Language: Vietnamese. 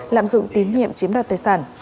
lạm dụng tín nhiệm chiếm đoạt tài sản